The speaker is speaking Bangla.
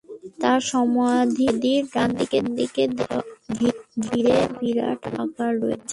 তার সমাধিটি বেদির ডানদিকের দেয়াল ঘিরে বিরাট আকারে রয়েছে।